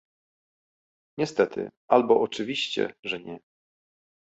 Niestety, albo oczywiście, że nie